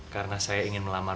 karena saya ingin melamar